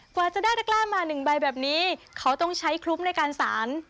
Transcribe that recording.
กว่าจะได้ตะกล้ามา๑ใบแบบนี้เขาต้องใช้คลุ้มในการสาร